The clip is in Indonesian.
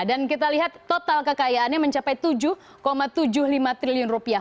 dan kita lihat total kekayaannya mencapai tujuh tujuh puluh lima triliun rupiah